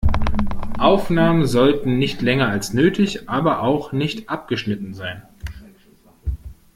Aufnahmen sollten nicht länger als nötig, aber auch nicht abgeschnitten sein.